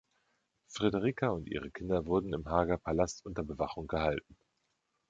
Frederica und ihre Kinder wurden im Haga-Palast unter Bewachung gehalten.